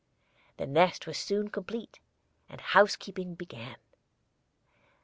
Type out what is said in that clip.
The nest was soon complete, and housekeeping began.